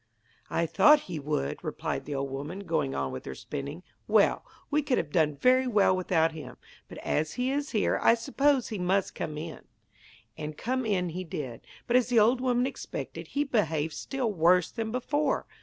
'I thought he would,' replied the old woman, going on with her spinning. 'Well, we could have done very well without him. But as he is here I suppose he must come in.' And come in he did. But as the old woman expected, he behaved still worse than before.